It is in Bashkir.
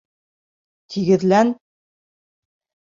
— Тигеҙлән!